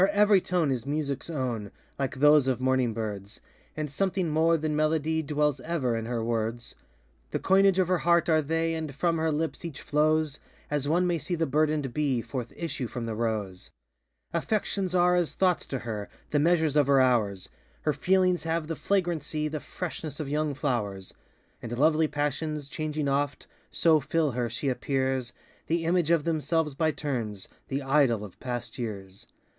Her every tone is musicŌĆÖs own, Like those of morning birds, And something more than melody Dwells ever in her words; The coinage of her heart are they, And from her lips each flows As one may see the burdenŌĆÖd bee Forth issue from the rose. Affections are as thoughts to her, The measures of her hours; Her feelings have the flagrancy, The freshness of young flowers; And lovely passions, changing oft, So fill her, she appears The image of themselves by turns, ŌĆö The idol of past years!